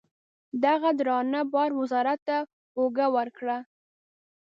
دغه درانه بار وزارت ته اوږه ورکړه.